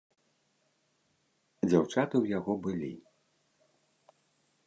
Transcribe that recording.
Дзяўчаты ў яго былі.